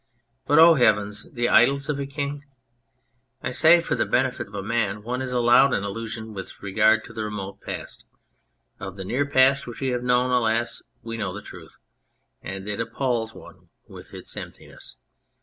But, oh heavens ! the Idylls of a King ! I say, for the benefit of man, one is allowed an illusion with regard to the remote past ; of the near past which we have known, alas, we know the truth and it appals one with its emptiness.